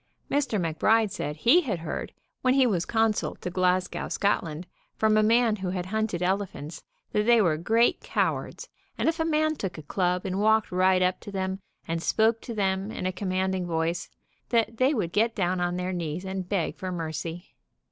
Mr. Mc Bride said he had heard, when he was consul to Glas gow, Scotland, from a man who had hunted ele phants, that they were great cowards, and if a man took a club and walked right up to them and spoke to them in* a commanding voice, that they would get down on their knees and beg for mercy.